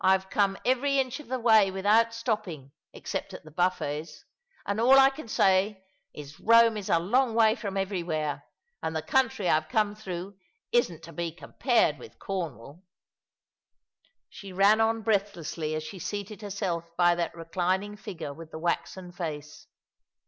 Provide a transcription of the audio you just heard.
I've come every inch of the way without stopping, except at the buffets, and all I can say is Eome is a long way from everywhere, and the country I've come through isn't to be compared with Cornwall." She ran on breathlessly as she seated herself by that re clining figure with the waxen face.